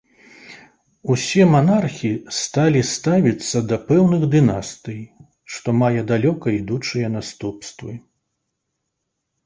Усе манархі сталі ставіцца да пэўных дынастый, што мае далёка ідучыя наступствы.